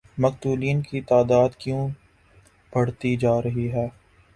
مقتولین کی تعداد کیوں بڑھتی جارہی ہے؟